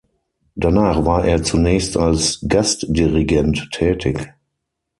Danach war er zunächst als Gastdirigent tätig.